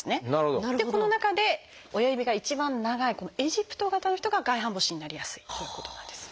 でこの中で親指が一番長いこのエジプト型の人が外反母趾になりやすいということなんです。